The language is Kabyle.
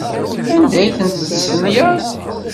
Anda ay tent-testenyaḍ?